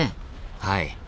はい。